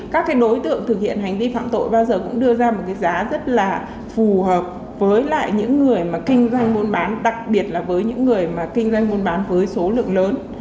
các đối tượng thực hiện hành vi phạm tội bao giờ cũng đưa ra một giá rất là phù hợp với những người kinh doanh muôn bán đặc biệt là với những người kinh doanh muôn bán với số lượng lớn